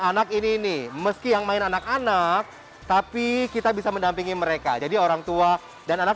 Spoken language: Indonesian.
anak ini nih meski yang main anak anak tapi kita bisa mendampingi mereka jadi orang tua dan anak